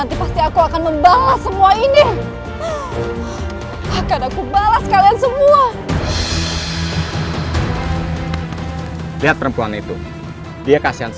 kita harus melihatnya paman